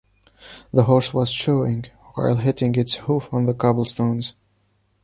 The horse was chewing while hitting its hoof on the cobblestones.